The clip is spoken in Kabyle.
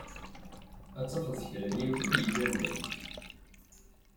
Ad tafeḍ d kra n yiwet i t-yeǧǧan daki.